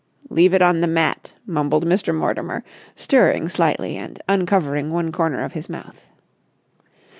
"Leave it on the mat," mumbled Mr. Mortimer, stirring slightly and uncovering one corner of his mouth.